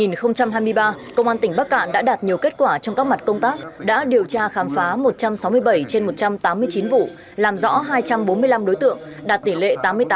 năm hai nghìn hai mươi ba công an tỉnh bắc cạn đã đạt nhiều kết quả trong các mặt công tác đã điều tra khám phá một trăm sáu mươi bảy trên một trăm tám mươi chín vụ làm rõ hai trăm bốn mươi năm đối tượng đạt tỷ lệ tám mươi tám